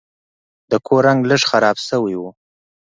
د کور رنګ لږ خراب شوی و.